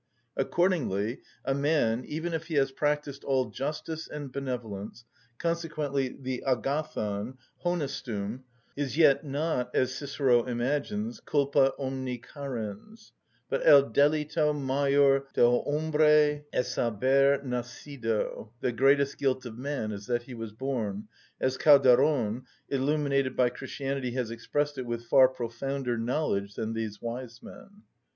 Accordingly a man, even if he has practised all justice and benevolence, consequently the αγαθον, honestum, is yet not, as Cicero imagines, culpa omni carens (Tusc., v. i.); but el delito mayor del hombre es haber nacido (the greatest guilt of man is that he was born), as Calderon, illuminated by Christianity, has expressed it with far profounder knowledge than these wise men.